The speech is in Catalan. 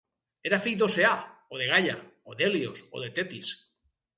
Era fill d'Oceà, o de Gaia, o d'Hèlios, o de Tetis.